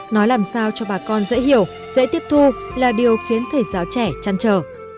nói làm sao cho bà con dễ hiểu dễ tiếp thu là điều khiến thầy giáo trẻ chăn trở